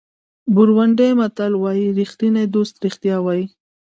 بورونډي متل وایي ریښتینی دوست رښتیا وایي.